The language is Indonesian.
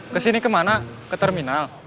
kesini kemana ke terminal